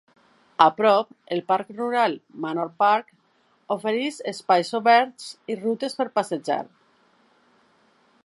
A prop, el parc rural Manor Park ofereix espais oberts i rutes per passejar.